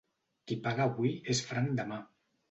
Qui paga avui és franc demà.